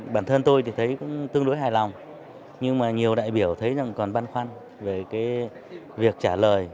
bản thân tôi thì thấy tương đối hài lòng nhưng mà nhiều đại biểu thấy còn băn khoăn về việc trả lời